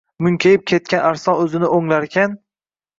Munkayib ketgan arslon o‘zini o‘nglarkan